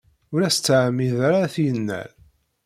Ur as-ttɛemmid ara ad t-yennal.